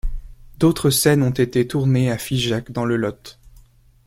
D'autres scènes ont été tournées à Figeac dans le Lot.